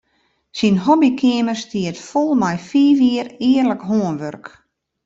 Syn hobbykeamer stiet fol mei fiif jier earlik hânwurk.